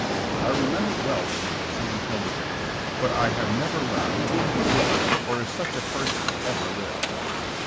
I remember well the name Sam Hildebrand, but I have never learned who he was, or if such a person ever lived.